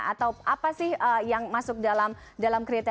atau apa sih yang masuk dalam kriteria pola gizi berimbang ini